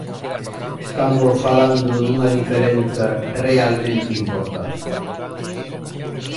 Estamos falando dunha diferenza realmente importante.